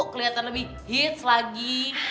kelihatan lebih hits lagi